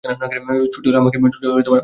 ছুটি হলে আমাকে নিয়ে বাসায় ফেরেন।